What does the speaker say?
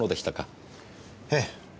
ええ。